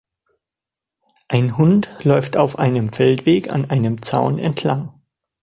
Ein Hund läuft auf einem Feldweg an einem Zaun entlang.